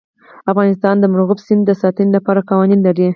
افغانستان د مورغاب سیند د ساتنې لپاره قوانین لري.